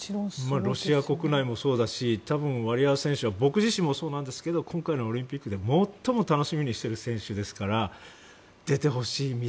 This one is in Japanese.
ロシア国内もそうだしワリエワ選手も僕自身もそうなんですけど今回のオリンピックで最も楽しみにしている選手ですから出てほしい